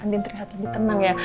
andin terlihat lebih tenang ya